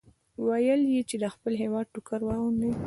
ویې ویل چې د خپل هېواد ټوکر واغوندئ.